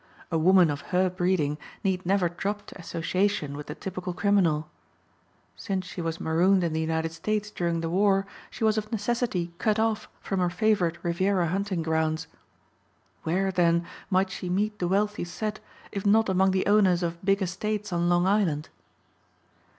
A woman of her breeding need never drop to association with the typical criminal. Since she was marooned in the United States during the war she was of necessity cut off from her favorite Riviera hunting grounds. Where, then, might she meet the wealthy set if not among the owners of big estates on Long Island?